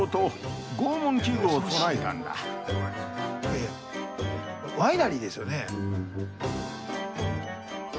いやいやワイナリーですよね。